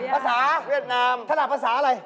ภาษาเรียนนามภาษาอะไร